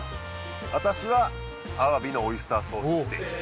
私はアワビのオイスターソースステーキ